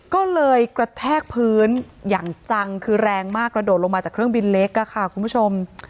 ก็เลยกระแทกพื้นอย่างจังคือแรงมากกระโดดลงมาจากเครื่องบินเล็กค่ะคุณผู้ชม